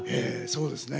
そうですね。